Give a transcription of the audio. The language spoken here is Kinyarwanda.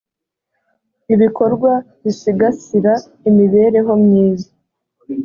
ibikorwa bisigasira imibereho myiza